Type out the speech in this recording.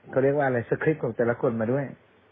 เขาเรียกว่าอะไรสคริปต์ของแต่ละคนมาด้วย